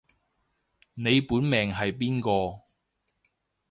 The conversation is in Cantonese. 你本命係邊個